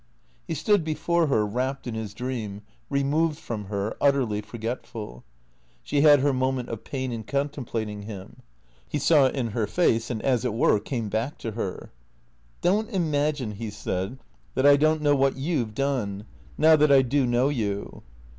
He stood before her, wrapped in his dream, removed from her, utterly forgetful. She had her moment of pain in contemplating him. He saw it in her face, and as it were came back to her. " Don't imagine," he said, " that I don't know what ijou 've done. Now that I do know you."